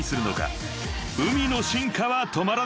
［ＵＭＩの進化は止まらない］